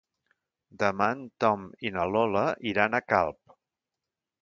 Demà en Tom i na Lola iran a Calp.